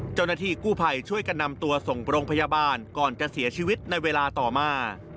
เจ้าหน้าที่กู้ภัยช่วยกันนำตัวส่งโรงพยาบาลก่อนจะเสียชีวิตในเวลาต่อมา